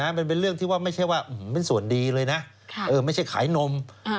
มันเป็นเรื่องที่ว่าไม่ใช่ว่าเป็นส่วนดีเลยนะไม่ใช่ขายนม